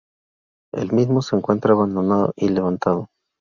El mismo se encuentra abandonado y levantado.